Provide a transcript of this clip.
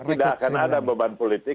saya kira tidak akan ada beban politik